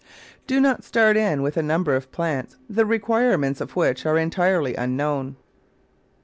Do not start in with a number of plants the require ments of which are entirely unknown.